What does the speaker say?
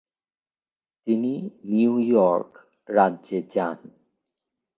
তিনি New York রাজ্যে যান।